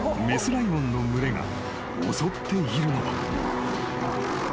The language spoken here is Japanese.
［雌ライオンの群れが襲っているのは］